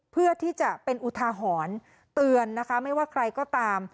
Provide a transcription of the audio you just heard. เพื่อที่จะเป็นอุทาหรณ์เตือนนะคะไม่ว่าใครก็ตาม